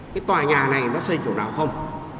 cái tòa nhà này nó xây kiểu nào không